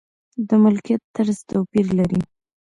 د ملکیت طرز توپیر لري.